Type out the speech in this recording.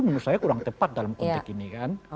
menurut saya kurang tepat dalam konteks ini kan